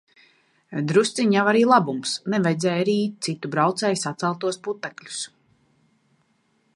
Drusciņ jau arī labums, nevajadzēja rīt citu braucēju saceltos putekļus.